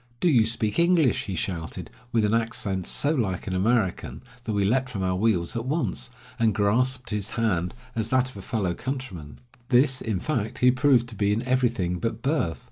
"Do you speak English?" he shouted, with an accent so like an American, that we leaped from our wheels at once, and grasped his hand as that of a fellow countryman. This, in fact, he proved to be in everything but birth.